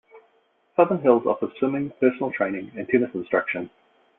Southern Hills offers swimming, personal training, and tennis instruction.